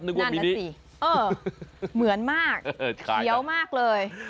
นึกว่ามีนี้นั่นแหละสิเหมือนมากเขียวมากเลย